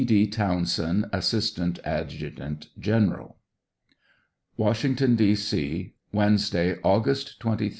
D. TOWNSEND, Assistant Adjutant General. Washington, D. C, Wednesday, August 23, 1865.